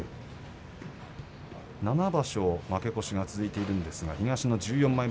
７場所負け越しが続いているんですが東の１４枚目